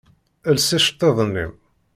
Els iceṭṭiḍen-im!